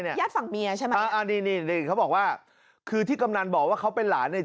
ญาติฝั่งเมียใช่ไหมอ่านี่นี่เขาบอกว่าคือที่กำนันบอกว่าเขาเป็นหลานเนี่ย